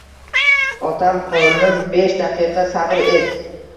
Otam:— Xonim, besh daqiqa sabr et